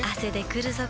くるぞ？